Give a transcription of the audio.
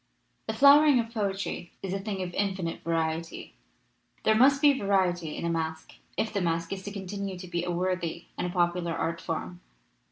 "The flowering of poetry is a thing of infinite variety. There must be variety in a masque if the masque is to continue to be a worthy and popular art form.